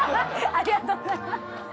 ありがとうございます。